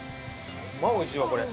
おいしいわこれ。